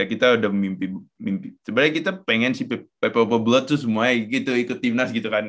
ya kita udah mimpi mimpi sebenernya kita pengen si ppop blood tuh semuanya gitu ikut timunas gitu kan